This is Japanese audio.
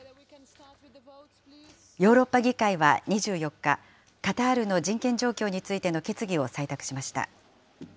ヨーロッパ議会は２４日、カタールの人権状況についての決議を採択しました。